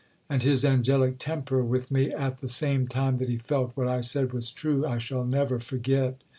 And his angelic temper with me, at the same time that he felt what I said was true, I shall never forget.